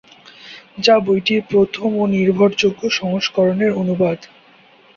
যা বইটির প্রথম ও নির্ভরযোগ্য সংস্করণ এর অনুবাদ।